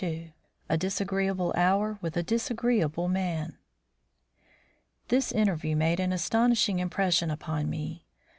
XXII A DISAGREEABLE HOUR WITH A DISAGREEABLE MAN This interview made an astonishing impression upon me.